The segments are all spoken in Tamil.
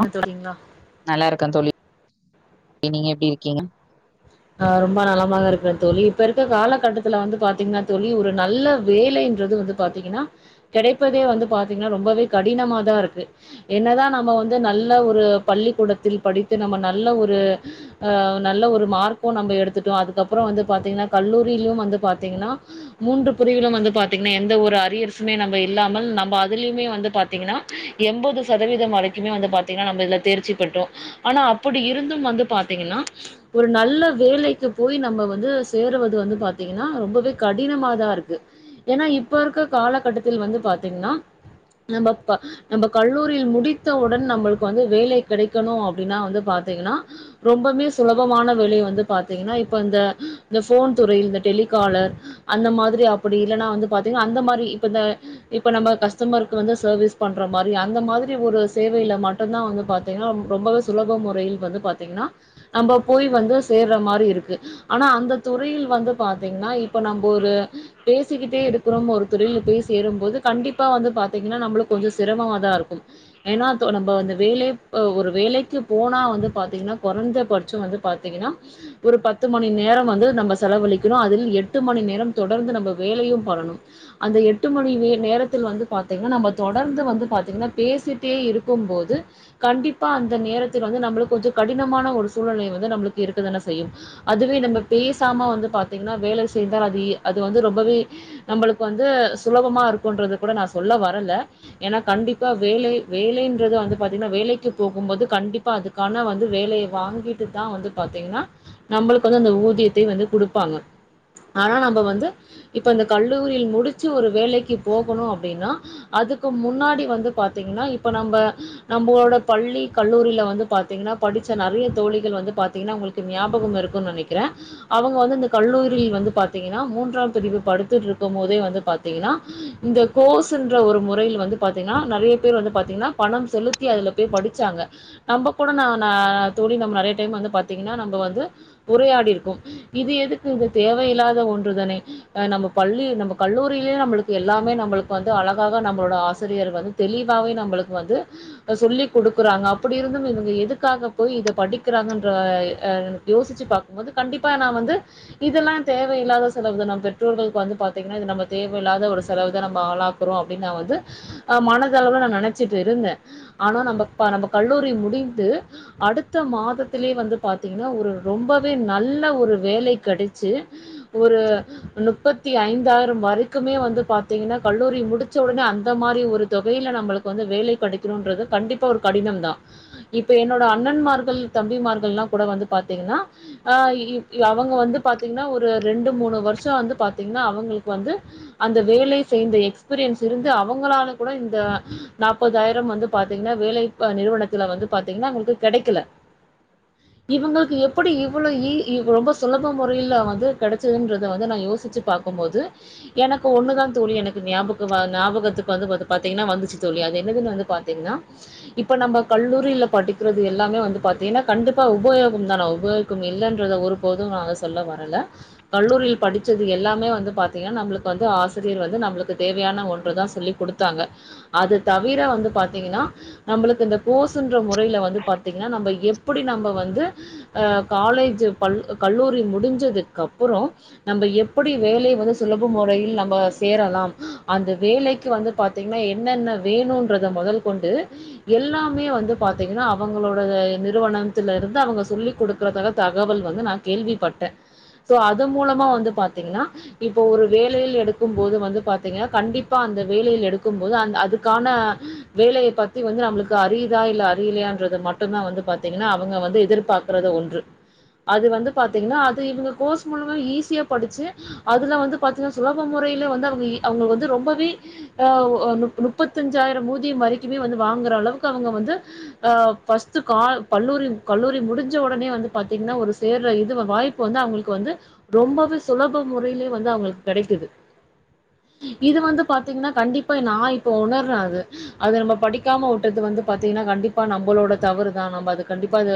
அ தோல்றீங்களா நல்லா இருக்கே தோழி நீங்க எப்டி இருக்கீங்க ஆ ரொம்ப நலமாக இருக்கே தோழி இப்ப இருக்க காலகட்டத்துல வந்து பாத்தீங்கன்னா தோழி ஒரு நல்ல வேலை இன்றது வந்து பாத்தீங்கன்னா கிடைப்பதே வந்து பாத்தீங்கன்னா ரொம்பவே கடினமாதா இருக்கு என்னதா நம்ம வந்து நல்ல ஒரு பள்ளிக்கூடத்தில் படித்து நம்ம நல்ல ஒரு அ நல்ல ஒரு மார்க்கு நம்ம எடுத்துட்டோ அதுக்கு அப்புறோ வந்து பாத்தீங்கன்னா கல்லூரியிலயு வந்து பாத்தீங்கன்னா மூன்று பிரிவுகளு வந்து பாத்தீங்கன்னா எந்த ஒரு அரியர்ஸ்மே நம்ம இல்லாமல் நம்ம அதுலயுமே வந்து பாத்தீங்கன்னா எண்பது சதவீதம் வரைக்குமே வந்து பாத்தீங்கன்னா நம்ம இதுல தேர்ச்சி பேற்றோ ஆனா அப்டி இருந்து வந்து பாத்தீங்கன்னா ஒரு நல்ல வேலைக்கு போய் நம்ம வந்து சேருவது வந்து பாத்தீங்கனா ரொம்பவே கடினமாதா இருக்கு ஏனா இப்ப இருக்க காலகட்டத்தில் வந்து பாத்தீங்னா நம்ப இப்ப நம்ப கல்லூரியில் முடித்தவுடன் நம்மளுக்கு வந்து வேலை கெடைக்கணு அப்டினா வந்து பாத்தீங்கனா ரொம்பமே சுலப் பமான வேலை வந்து பாத்தீங்கனா இப்ப இந்த இந்த ஃபோன் துறையில் இந்த டெலிகாலர் அந்த மாதிரி அப்புடி இல்லனா வந்து பாத்தீங்கனா அந்த மாரி இப்ப இந்த இப்ப நம்ம கஸ்டமருக்கு வந்து சேர்வீஸ் பண்ற மாரி அந்த மாதிரி ஒரு சேவைல மட் டுந்தா வந்து பாத்தீங்கனா ரொம்பவே சுலப முறையில் வந்து பாத்தீங்கனா நம்ப போய் வந்து சேர்ற மாரி இருக்கு ஆனா அந்த துறையில் வந்து பாத்தீங்னா இப்ப நம்ப ஒரு பேசிக்கிட்டே இருக்குறோம் ஒரு தொழில்ல போய் சேரும்போது கண்டிப்பா வந்து பாத்தீங்கனா நம்மளுக்கு கொஞ்ச சிரமமாதா இருக்கும் ஏனா தொ நம்ப வந்து வேலைய அ ஒரு வேலைக்கு போனா வந்து பாத்தீங்னா கொறஞ்ச பட் ச்ச வந்து பாத்தீங்கனா ஒரு பத்து மணி நேரம் வந்து நம்ம செலவழிக்கணு அதில் எட்டு மணி நேரம் தொடர்ந்து நம்ம வேலையு பண்ணனு அந்த எட்டு மணி நே நேரத்தில் வந்து பாத்தீங்னா நம்ம தொடர்ந்து வந்து பாத்தீங்னா பேசிட்டே இருக்கும் போது கண்டிப்பா அந்த நேரத்தில் வந்து நம்மளுக்கு கொஞ்ச கடினமான ஒரு சூழ்நிலை வந்து நம்மளுக்கு இருக்க தான செய்யும் அதுவே நம்ம பேசாம வந்து பாத்தீங்னா வேலை சேர்ந்தால் அது இ அது வந்து ரொம்பவே நம்பளுக்கு வந்து சுலபமா இருக்குன்றதக் கூட நா சொல்ல வரல ஏனா கண்டிப்பா வேலை வேலைன்றது வந்து பாத்தீங்னா வேலைக்கு போகும்போது கண்டிப்பா அதுக்கான வந்து வேலை வாங்கிட்டு தா வந்து பாத்தீங்கனா நம்மளுக்கு வந்து அந்த ஊதியத்தையு வந்து குடுப்பாங்க ஆனா நம்ப வந்து இப்ப இந்த கல்லூரியில் முடிச்சு ஒரு வேலைக்கு போகணு அப்டின்னா அதுக்கு முன்னாடி வந்து பாத்தீங்னா இப்ப நம்ப நம்பளோட பள்ளி கல்லூரில வந்து பாத்தீங்கனா படிச்சு ச நெறையா தோழிகள் வந்து பாத்தீங்கனா உங்களுக்கு ஞாபகம் இருக்குன் நெனைக்கிறே அவுங்க வந்து இந்த கல்லூரியில் வந்து பாத்தீங்கனா மூன்றாம் பிரிவு படுத்துட்ருக்கும் போதே வந்து பாத் ங்கனா இந்த கோஸுன்ற ஒரு முறையில் வந்து பாத்தீங்கனா நெறைய பேரு வந்து பாத்தீங்கனா பணம் செலுத் த்தி அதுல போய் படிச்சாங்க நம்ம கூட நா தோழி நிறைய டைம் வந்து பாத்தீங்கனா நம்ப வந்து உரையாடிருக்கோ இது எதுக்கு இது தேவையில்லாத ஒன்றுதானே அ நம்ம பள்ளி நம்ம கல்லூரியிலயே நம்மளுக்கு எல்லாமே நம்மளுக்கு வந்து அழகாக நம்மளோட ஆசிரியர் வந்து தெளிவாவே நம்மளுக்கு வந்து அ சொல்லி் குடுக்குறாங்க அப்டி இருந்தும் இவ்ங்க எதுக்காக போய் இத படிக்கிறாங்கன்ற அ யோசிச்சு பாக்கும்போது கண்டிப்பா நா வந்து இதெல்லா தேவையில்லாத செலவுதா நம் பெற்றோர்களுக்கு வந்து பாத்தீங்னா இது நம்ம தேவையில்லாத ஒரு செலவுதா நம்ம ஆளாக் குறோ அப்டின் நா வந்து அ மனதளவுல நா நெனைச்சிட்டு இருந்தே ஆனா நம்ப க நம்ப கல்லூரி முடிந்து அடுத்த மாதத்திலே வந்து பாத்தீங்கனா ஒரு ரொம்பவே நல்ல ஒரு வேலை கெடச்சு ஒரு நுப்பத்தி ஐந்தாயிரம் வரைக்குமே வந்து பாத்தீங்கனா கல்லூரி முடிச்ச ஒடனே அந்த மாரி ஒரு தொகையில நம்மளுக் கு வந்து வேலை கெடைக்கணுன்றது கண்டிப்பா ஒரு கடினம் தா இப்ப என்னோட அண்ணன்மார்கள் தம்பிமார்கள்லா கூட வந்து பாத்தீங்கனா ஆ இ யவங்க வந்து பாத்தீங்னா ஒரு ரெண்டு மூணு வர்ஷ வந்து பாத்தீங்னா அவங்களுக்கு வந்து அந்த வேலை சேய்ந்த எக்ஸ்பீரியன்ஸ் இருந்து அவுங்களால கூட இந்த நாப் ப்பதாயிரம் வந்து பாத்தீங்னா வேலை இப்ப நிறுவனத்துல வந்து பாத்தீங்னா அவுங்களுக்கு கெடைக்கல இவுங்களுக்கு எப்டி இவளோ ஈ ஈ ரொம்ப சுலப முறையில வந்து கெடச்சதுன்றத வந்து நா யோசிச்சு பாக் கும்போது எனக்கு ஒன்னுதா தோழி எனக்கு ஞாபக வ ஞாபகத்துக்கு வந்து பாத்து பாத்தீங்கனா வந்துச்சு தோழி அது என்னதுன்னு வந்து பாத்தீங்கன்னா இப்ப நம்ம கல்லூரில படி க்கறது எல்லாமே வந்து பாத்தீங்கன்னா கண்டிப்பாக உபயோகம் தானா உபயோகம் இல்லைன்றத ஒருபோதும் நா அத சொல்ல வரல கல்லூரியில் படிச்சது எல்லாமே வந்து பாத்தீங்கன்னா நம்மளுக்கு வந்து ஆசிரியர் வந்து நம்ளுக்கு தேவையான ஒன்றுதா சொல்லி குடுத் தாங்க அது தவிர வந்து பாத்தீங்கன்னா நம்ளுக்கு இந்த கோசுன்ற முறைல வந் து பாத்தீங்கன்னா நம்ம எப்படி நம்ம வந்து அ காலேஜ் பல் கல்லூரி முடிஞ்சதுக்கப்பறோ நம்ம எப்டி வேலை வந்து சுலப முறையில் நம்ம சேரலாம் அந்த வேலைக்கு வந்து பாத் திங்கன்னா என்னென்ன வேணுன்றத மொதல் கொண்டு எல்லாமே வந்து பாத்தீங்கன்னா அப் அவங்களோட நிறுவனத்துல இருந்து அவங்க சொல்லி கொடுக்கறதாக தகவல் வந்து நா கேள்விப்பட்டே சோ அது மூலமா வந்து பாத்திங்னா இப்போ ஒரு வேலையில் எடுக்கும் போது வந்து பாத்தீங்கன்னா கண்டிப்பா அந்த வேலையில் எடுக்கும் போது அந் அதுக்கான வேலய பத்தி வந்து நம்ளுக்கு அறியுதா இல்ல அறிலயான் றத மட்டுந்தா வந்து பாத்தீங்கனா அவுங்க வந்து எதிர்பாக்கறது ஒன்று அது வந்து பாத்தீங்கனா அது இவுங்க கோர்ஸ் மூலமா ஈஸியா படிச்சு அதுல வந்து பாத்தீங்கனா சுலப முறைல வந்து அவுங்க அவங்க வந்து ரொம்பவே ஆ முப்பத்தஞ்சாயிரொ ஊதிய வரைக்குமே வந்து வாங்குற அளவுக்கு அவுங்க வந்து அ ஃபஸ்ட் கால் கல்லூரி கல்லூரி முடிஞ்ச ஒடனே வந்து பாத்தீங்கனா ஒரு சேர்ர இதுவ வாய்ப் பு வந்து அவுங்களுக்கு வந்து ரொம்பவே சுலப முறையிலே வந்து அவுங்களுக்கு கெடைக்குது இது வந்து பாத்தீங்னா கண்டிப்பா நா இப்ப உணர்ரே அத அது நம்ம படிக்காம உட்டது வந்து பாத்தீங்கனா கண்டிப் பா நம்பளோட தவறு தா நம்ம அது கண்டிப்பா அத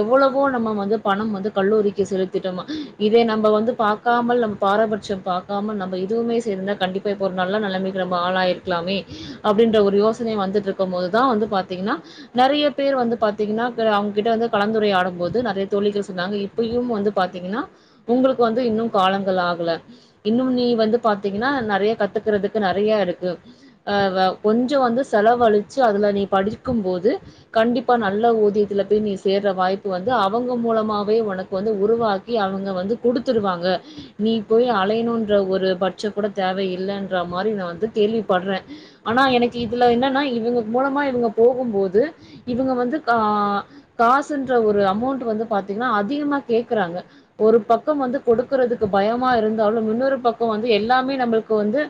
எவ்வளவோ நம்ம வந்து பணம் வந்து கல்லூரிக்கு செலுத் திட்டோ இத நம்ம வந்து பாக்காமல் நம்ம பாரபட்ச பாக்காமல் நம்ம இதுவுமே செய்திருந்தா கண்டிப் பா இப்ப ஒரு நல்ல நெலமைக்கு நம்ம ஆளாயிர்க்லாமே அப்டின்ற ஒரு யோசன வந்துட்டு இருக்கு போதுதா வந்து பாத்தீங்னா நெறைய பேர் வந்து பாத்தீங்ன்னா அவுங்ககிட்ட வந்து கலந்துரையாடும் போது நெறைய தோழிகள் சொன்னாங்க இப் இப்பயு வந்து பாத்தீங்கனா ஒங்ளுக்கு வந்து இன்னு காலங்கள் ஆகல இன்னும் நீ வந்து பாத்தீஙன்னா நெறையா கத்துக்றதுக்கு நெறையா இருக்கு அ வ கொஞ்சொ வந்து செலவழிச்சு அதுல நீ படிக்குபோது கண்டிப்பா நல்ல ஊதியத்துல போய் நீ சேர்ற வாய்ப்பு வந்து அவுங்க மூலமாவே ஒனக்கு வந்து உருவாக் கி அவுங்க வந்து குடுத்துருவாங்க நீ போய் அலையனுன்ற ஒரு பட்ச கூட தேவையில்லன்ற மாரி நா வந்து கேள்விப்பட்றே ஆனா எனக்கு இதுல என்னன்னா இவுங்க மூலமா இவுங்க போகும்போது இவுங்க வந்து கா காசுன்ற ஒரு அமௌண்ட்டு வந்து பாத்தீங்கனா அதிகமா கேக்குறாங்க ஒரு பக்கம் வந்து கொடுக்குறதுக்கு பயமா இருந்தாலு இன்னொரு பக்கொ வந்து எல்லாமே நம்ளுக்கு வந்து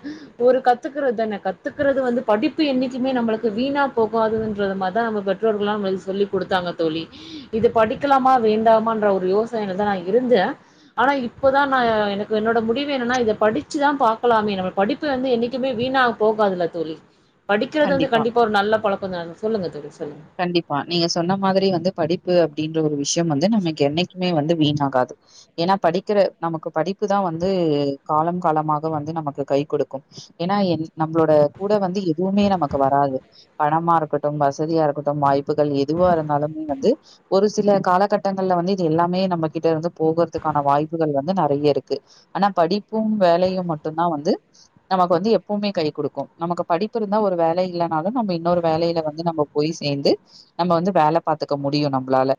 ஒரு கத்துக்கறது தானே கத்துக்கிறது வந்து படிப்பு என்னிக்குமே நம்ளுக்கு வீணா போ காதுன்றத மாரிதா நம்ம பெற்றோர்கள்லா நம்ளுக்கு சொல்லி குடுத்தாங்க தோழி இது படிக்கலாமா வேண்டாமன்ற ஒரு யோசனைலதா நா இருந்தே ஆனா இப்பதா நா எனக்கு என்னோட முடிவு என்னன்னா இத படிச்சுதா பாக்லாமே நம்ம படி ப்பு வந்து என்னக்குமே வீணா போகாதுல்ல தோழி படிக்கிறது வந்து கண்டிப்பா ஒரு நல்ல பழக்கந்தான சொல்லுங்க தோழி சொல்லுங்க கண்டிப்பா நீங்க சொன்ன மாதிரி வந்து படிப்பு அப்டின்ற ஒரு விஷயொ வந்து நமக்கு என்னைக்மே வந்து வீணாகாது ஏனா படிக்கிற நமக்கு படிப்புதா வந்து காலம் காலமாக வந்து நமக்கு கை குடுக்கு ஏனா என் நம்மளோட கூட வந்து எதுவுமே நமக்கு வராது பணமா இருக்கட்டு வசதியா இருக்கட் டு வாய்ப்புகள் எதுவா இருந்தாலுமே வந்து ஒரு சில காலகட்டங்கள்ல வந்து இது எல்லாமே நம்மகிட்டருந்து போகறதுக்கான வாய்ப்புகள் வந்து நெறைய இருக்கு ஆனா படிப்பு வேலயு மட்டுந்தா வந்து நமக்கு வந்து எப்பமே கை குடுக்கு நமக்கு படிப்பு இருந்தா ஒரு வேல இல்லனாலு நம்ம இன்னோரு வேலயில வந்து நம்ம போய் சேந்து நம்ம வந்து வேல பாத்துக்க முடியு நம்பளால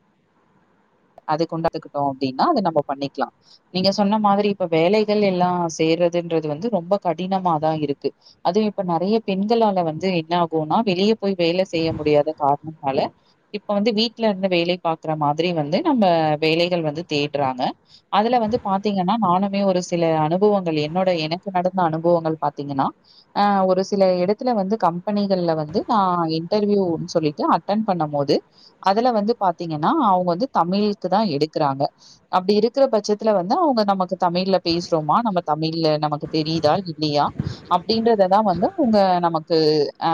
அது கொண்டாதுக்ட்டோ அப்டீன்னா அத நம்ம பன்னிக்லா நீங்க சொன்ன மாதிரி இப்ப வேலைகள் எல்லா செய்றதுன்றது வந்து ரொம்ப கடினமாதா இருக்கு அதுவு இப்ப நறைய பெண்களால வந்து என்ன ஆகுனா வெளியே போய் வேல செய்ய முடியாது கார்ணத்தால இப்ப வந்து வீட்லருந்து வேலை பாக்குற மாதிரி வந்து நம்ம வேலைகள் வந்து தேட்றாங்க அதுல வந்து பாத்தீங்கன்னா நானுமே ஒரு சில அனுபவங்கள் என்னோட எனக்கு நடந்த அனுபவங்கள் பாத்தீங்கனா ஆ ஒரு சில எடத்துல வந்து கம்பெனிகள்ல வந்து நா இன்டர்வியூனு சொல்லி ட்டு அட்டன் பன்னும் போது அதுல வந்து பாத்தீங்கனா அவுங்க வந்து தமிழுக்கு தா எடுக்குறாங்க அப்புடி இருக்குற பட்சத்துல வந்து அவுங்க நமக்கு தமிழ்ல பேசுறோமா நம்ம தமிழ்ல நமக்கு தெரிதா இல்லியா அப்டீன்றத தா வந்து அவுங்க நமக்கு அ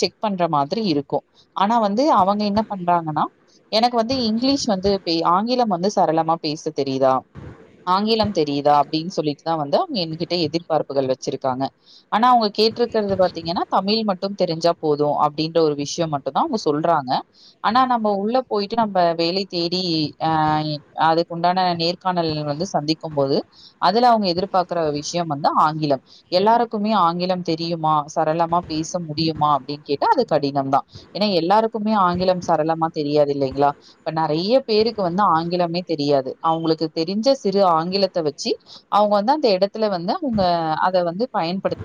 செக் பன்ற மாதிரி இருக் கோ ஆனா வந்து அவங்க என்ன பன்றாங்கனா எனக்கு வந்து இங்கிலீஷ் வந்து பே ஆங்கிலம் வந்து சரளமா பேச தெரியுதா ஆங்கிலம் தெரியுதா அப்டீன்னு சொல்லிட்டுதா வந்து அவுங்க எங்ககிட்ட எதிர்பார்ப்புகள் வெச்சிருக்காங்க ஆனா அவுங்க கேட்டிருக்கறது பாத்தீங்கன்னா தமிழ் மட்டும் தெரிஞ்சா போதோ அப்டீன்ற ஒரு விஷ்யோ மட்டுந்தா அவுங்க சொல்றாங்க ஆனா நம்ம உள்ள போயிட்டு நம்ப வேலை தேடி அ அதுக்கு உண்டான நேர் காணல்கள் வந்து சந்திக்கும் போது அதுல அவுங்க எதிர்பார்க்குற விஷ்யோ வந்து ஆங்கிலம் எல்லாருக்குமே ஆங்கிலம் தெரியுமா சரளமா பேச முடியுமா அப்டீன்னு கேட்டா அது கடி னம்தா ஏன்னா எல்லாருக்குமே ஆங்கிலம் சரளமா தெரியாது இல்லைங்களா இப்ப நறைய பேருக்கு வந்து ஆங்கிலமே தெரியாது அவுங்குளுக்கு தெரிஞ்ச சிறு ஆங்கிலத்த வெச்சி அவுங்க வந்து அந்த எடத்துல வந்து அவுங்க அத வந்து பயன்படுத்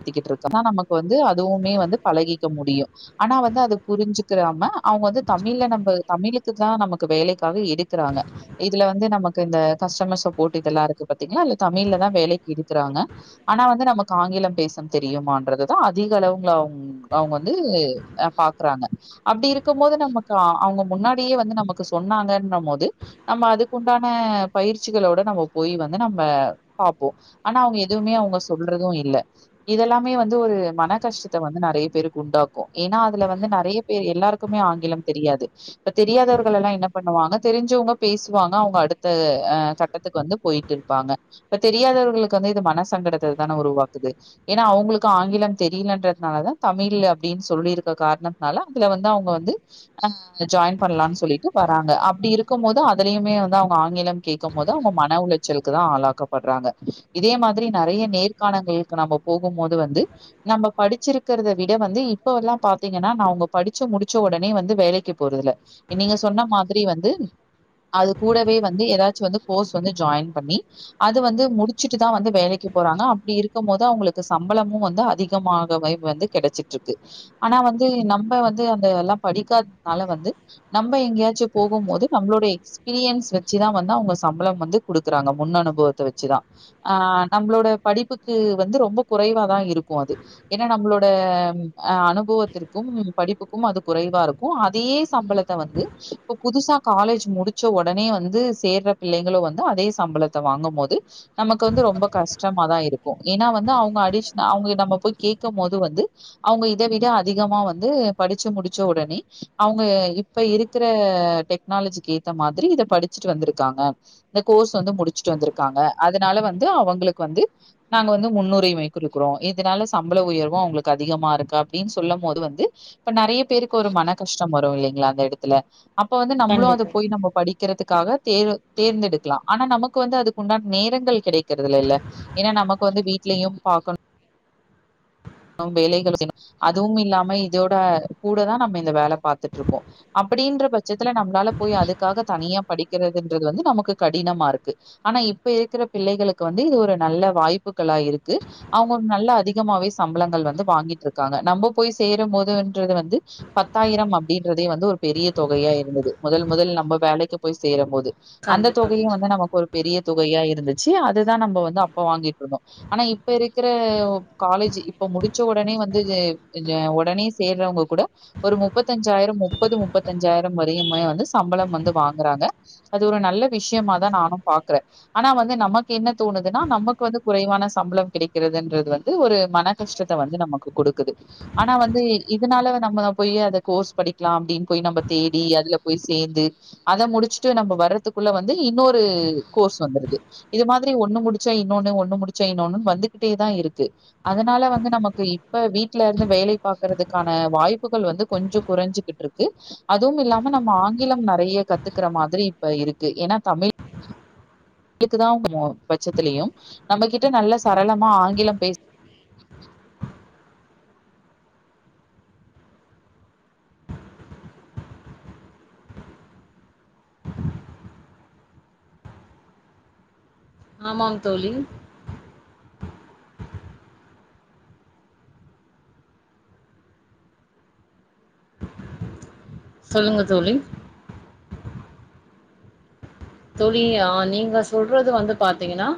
கத்திக்கிட்டு இருக்குனா நமக்கு வந்து அதுவுமே வந்து பழகிக்க முடியும் ஆனா வந்து அது புரிஞ்சுக்கிராம அவங்க வந்து தமிழ்ல நம்ப தமிழுக்குதா நமக்கு வேலைக்காக எடுக்குறாங்க இதுல வந்து நமக்கு இந்த கஸ்டமர் சப்போர்ட் இதெல்லா இருக்கு பாத்தீங்கன்னா இது தமிழ்லதா வேலைக்கி எடுக்குறாங்க ஆனா வந்து நமக்கு ஆங்கிலம் பேசும் தெரியுமான்றதுதா அதிக அளவுங்கள அவுங்க வந்து அ பாக்குறாங்க அப்டி இருக்கும் போது நமக்கு அவுங்க முன்னாடியே வந்து நமக்கு சொன்னாங்கன்ன போது நம்ம அதுக்குண்டான பயிற்சிகளோட நம்ம போய் வந்து நம்ம பாப்போ ஆனா அவங்க எதுவுமே அவுங்க சொல்றதோ இல்ல இதெல்லாமே வந்து ஒரு மன கஷ்டத்த வந்து நறைய பேருக்கு உண்டாக்கோ ஏன்னா அதுல வந்து நறைய பேர் எல்லாருக்குமே ஆங்கிலம் தெரியாது இப்ப தெரியாதவர்கள் எல்லா என்ன பண்ணுவாங்க தெரிஞ்சவுங்க பேசுவாங்க அவுங்க அடுத்த அ க ட்டத்துக்கு வந்து போயிட்டு இருப்பாங்க இப்ப தெரியாதவர்களுக்கு வந்து இது மன சங்கடத்த தானே உருவாக்குது ஏன்னா அவுங்குளுக்கு ஆங்கிலம் தெரியலன்றதுனாலதா தமிழ் அப்டின்னு சொல்லிருக்க காரணத்தனால அதுல வந்து அவுங்க வந்து அ ஜாயின் பண்ணலான்னு சொல்லிட்டு வராங்க அப்டீ இருக்கும் போது அதுலயுமே வந்து அவுங்க ஆங்கிலம் கேக்கும் போது அவுங்க மன உளச் லுக்குதா ஆளாக்கப்படுறாங்க இதே மாதிரி நறைய நேர்காணங்களுக்கு நம்ம போகும் போது வந்து நம்ம படிச்சிருக் கிறத விட வந்து இப்ப எல்லா பாத்தீங்கன்னா நா உங்க படிச்ச முடிச்ச ஒடனே வந்து வேலைக்கு போறதுல்ல நீங்க சொன்ன மாதிரி வந்து அது கூடவே வந்து ஏதாச்சு வந்து கோர்ஸ் வந்து ஜாயின் பண்ணி அது வந்து முடிச்சிட்டுதா வந்து வேலைக்கு போறாங்க அப்பிடி இருக்கும் போது அவுங்குளுக்கு சம்பளமு வந்தா அதிகமாக வ வந்து கெடைச்சிட்ருக்கு ஆனா வந்து நம்ம வந்து அந்த எல்லா படிக்காதனால வந்து நம்ப எங்கேயாச்சு போகும் போது நம்மளோட எக்ஸ் ஸ்பீரியன்ஸ் வச்சுதா வந்து அவங்க சம்பளம் வந்து குடுக்குறாங்க முன் அனுபவத்த வச்சுதா ஆ நம்மளோட படிப்புக்கு வந்து ரொம்ப குறைவாாதா இருக்கும் அது எ ஏனா நம்மளோட அ அனுபவத்திற்கும் படிப்புக்கும் அது குறைவா இருக்கு அதே சம்பளத்த வந்து இப்போ புதுசா காலேஜ் முடிச்ச உடனே வந்து சேர்ற பிள்ளைங்களு வந்து அதே சம்பளத்த வாங்கும் போது நமக்கு வந்து ரொம்ப கஷ்டமாதா இருக்கு ஏனா வந்து அவங்க அடிக்ஸ அவங்க நம்ம போய் கேக்கம்போது வந்து அவங்க இத விட அதிகமா வந்து படிச்சு முடிச்ச உடனே அவங்க இப்ப இருக்கிற டெக்னாலஜிக்கு ஏத்த மாதிரி இத படிச்சுட்டு வந்திருக்காங்க இந்த கோர்ஸ் வந்து முடிச்சுட்டு வந்திருக்காங்க அதனால வந்து அவங்களுக்கு வந்து நாங்க முன்னுரிமை குருக்குறோ இதனால சம்பள உயர்வு அவங்களுக்கு அதிகமா இருக்கு அப்டின்னு சொல்லம் போது வந்து இப்ப நெறைய பேருக்கு ஒரு மன கஷ்டம் வரும் இல்லைங்களா அந்த எடத்துல அப்ப வந்து நம்மளும் அது கண்டிப்பா போய் நம்ம படிக் கிறதுக்காக தேர் தேர்ந்தெடுக்கலா ஆனா நமக்கு வந்து அதுக்குண்டான நேரங்கள் கெடைக்கிறதுலல்ல ஏனா நமக்கு வந்து வீட்லயும் பாக்கணு நம் வேலைகள் செய்ணு அதுவும் இல்லாம இதோட கூடதா நம்ம இந்த வேல பாத்துட்டுருக்கோ அப்டின்ற பட்சத்துல நம்மளால போய் அதுக்காக தனியா படிக்கிறதுன்றது வந்து நமக்கு கடினமா இருக்கு ஆனா இப்ப இருக்கிற பிள்ளைகளுக்கு வந்து இது ஒரு நல்ல வாய்ப்புக்களா இருக்கு அவங்க நல்ல அதிகமாவே சம்பளங்கள் வந்து வாங்கிட்டு இருக்காங்க நம்ப போய் சேரும் போதுன்றது வந்து பத்தாயிரம் அப்டின்றதே வந்து ஒரு பெரிய தொகையா இருந்தது மொதல் மொதல நம்ம வேலைக்கு போய் சேரம்போது அந்த தொகையு கண்டிப்பா வந்து நமக்கு ஒரு பெரிய தொகையா இருந்துச்சு அதுதா நம்ப வந்து அப்ப வாங்கிட்டு இருந்தோ ஆனா இப்ப இருக்குற காலேஜ் இப்ப முடிச்ச ஒடனே வந்து இங்க ஒடனே சேர்றவங்க கூட ஒரு முப்பத்தஞ்சாயிரம் முப்பது முப்பத்தஞ்சாயிரம் வரையுமே வந்து சம்பளம் வந்து வாங்குறாங்க அது ஒரு நல்ல விஷயமாதா நானு பாக்குறே ஆனா வந்து நமக்கு என்ன தோணுதுன்னா நமக்கு வந்து குறைவான சம்பளம் கிடைக்கிறதுன்றது வந்து ஒரு மன கஷ்டத்த வந்து நமக்கு குடுக்குது ஆனா வந்து இதனால நம்ம போய் அத கோர்ஸ் படிக்கலா அப்டின் போய் நம்ப தேடி அதுல போய் சேந்து அத முடிச்சுட்டு நம்ப வர்றதுக்குள்ள வந்து இன்னொரு கோர்ஸ் வந்துடுது இது மாதிரி ஒன்னு முடிச்சா இன்னொன்னு ஒன்னு முடிச்சா இன்னொன்னுன்னு வந்துகிட்டேதா இருக்கு அதா னால வந்து நமக்கு இப்ப வீட்ல இருந்து வேலை பாக்கறதுக்கான வாய்ப்புகள் வந்து கொஞ்சோ கொறஞ்சுகிட்டுருக்கு அதுவும் இல்லாம நம்ம ஆங்கிலம் நெறைய கத்துக்குற மாதிரி இப்ப இருக்கு ஏனா தமிழ் க்குதா நம்மோ பட்சத்லயும் நம்மகிட்ட நல்ல சரளமா ஆங்கிலம் பேச ஆமாங் தோழி சொல்லுங்க தோழி தோழி ஆ நீங்க சொல்றது வந்து பாத்தீங்கனா